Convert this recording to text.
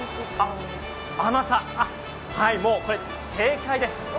甘さ、はい、これ正解です。